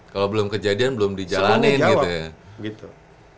kalau belum kejadian belum di jalanin gitu ya